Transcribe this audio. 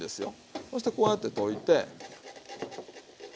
そしてこうやって溶いてね。